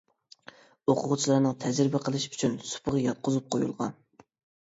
ئوقۇغۇچىلارنىڭ تەجرىبە قىلىشى ئۈچۈن سۇپىغا ياتقۇزۇپ قويۇلغان.